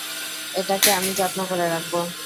এটাকে আমি যত্ন করে রাখব।